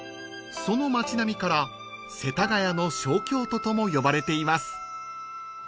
その町並みから世田谷の小京都とも呼ばれています］